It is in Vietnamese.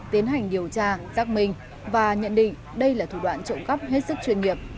tiến hành điều tra xác minh và nhận định đây là thủ đoạn trộm cắp hết sức chuyên nghiệp